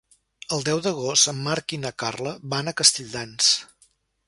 El deu d'agost en Marc i na Carla van a Castelldans.